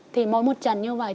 thì mỗi một trận như vậy